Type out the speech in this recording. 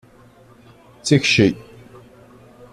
D tikci.